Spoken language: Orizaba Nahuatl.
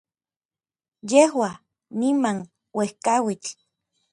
yejua, niman, uejkauitl